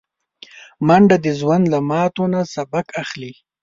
منډه د ژوند له ماتو نه سبق اخلي